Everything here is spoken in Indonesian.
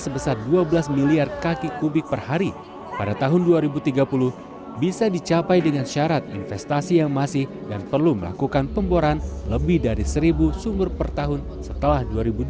sebesar dua belas miliar kaki kubik per hari pada tahun dua ribu tiga puluh bisa dicapai dengan syarat investasi yang masih dan perlu melakukan pemboran lebih dari seribu sumur per tahun setelah dua ribu dua puluh